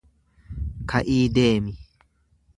Ka'ii deemi'